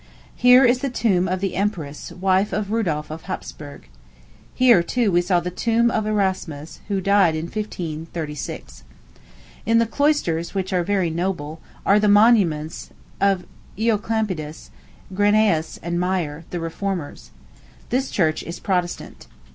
Here is the tomb of the empress, wife of Rudolph of Hapsburg. Here, too, we saw the tombstone of Erasmus, who died in 1536. In the cloisters, which are very noble, are the monuments of Œcolampadius, Grynæus and Myer, the reformers. This church is Protestant.